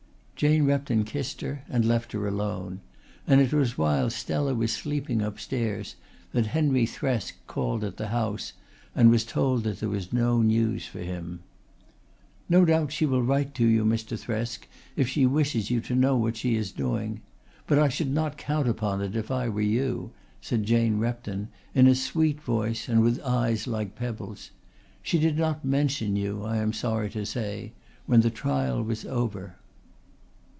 Jane Repton kissed her and left her alone; and it was while Stella was sleeping upstairs that Henry Thresk called at the house and was told that there was no news for him. "No doubt she will write to you, Mr. Thresk, if she wishes you to know what she is doing. But I should not count upon it if I were you," said Jane Repton, in a sweet voice and with eyes like pebbles. "She did not mention you, I am sorry to say, when the trial was over."